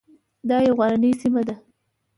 دا یوه غرنۍ سیمه ده.